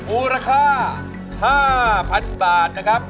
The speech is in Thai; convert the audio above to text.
มูลค่า๕๐๐๐บาทนะครับ